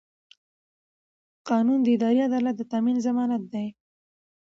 قانون د اداري عدالت د تامین ضمانت دی.